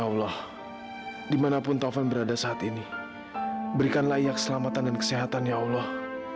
ya allah dimanapun tovan berada saat ini berikanlah iya keselamatan dan kesehatan ya allah